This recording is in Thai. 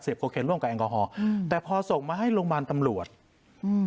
เสพโคเครนร่วมกับแองกอฮอล์แต่พอส่งมาให้โรงพยาบาลตำรวจ